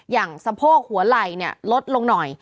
อย่างสะโพกหัวไหล่เนี่ยลดลงหน่อย